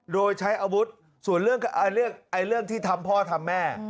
โดยใช้อาวุธส่วนเรื่องที่ทำพ่อทำแม่